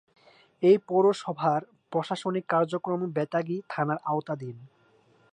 এ পৌরসভার প্রশাসনিক কার্যক্রম বেতাগী থানার আওতাধীন।